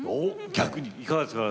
いかがですか？